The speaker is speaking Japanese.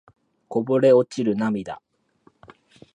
こぼれ落ちる涙